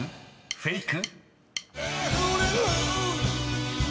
フェイク？］